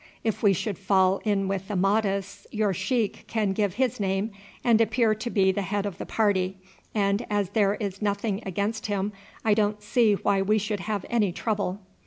If we should fall in with the Mahdists your sheik can give his name and appear to be the head of the party, and as there is nothing against him I don't see why we should have any trouble."